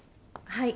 はい。